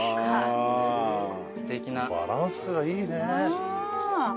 バランスがいいね。